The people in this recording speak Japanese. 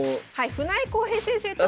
船江恒平先生と。